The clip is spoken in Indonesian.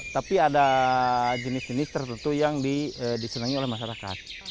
tapi ada jenis jenis tertentu yang disenangi oleh masyarakat